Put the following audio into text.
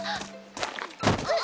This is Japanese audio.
あっ！